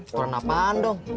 koran apaan dong